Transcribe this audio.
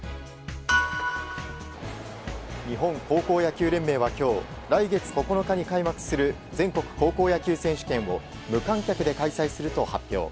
日本高校野球連盟は今日来月９日に開幕する全国高校野球選手権を無観客で開催すると発表。